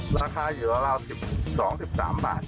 ราคาอยู่ราว๑๒๑๓บาท